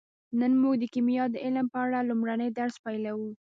نن موږ د کیمیا د علم په اړه لومړنی درس پیلوو